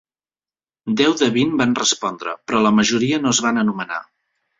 Deu de vint van respondre, però la majoria no es van anomenar.